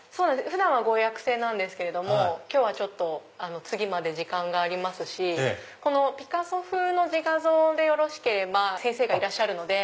普段はご予約制ですけど今日は次まで時間がありますしピカソ風の自画像でよろしければ先生がいらっしゃるので。